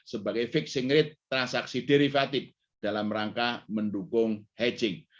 sebagai fixing rate transaksi derivatif dalam rangka mendukung hedging